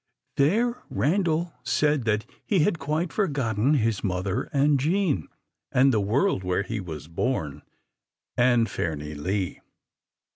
There Randal said that he had quite forgotten his mother and Jean, and the world where he was born, and Fairnilee.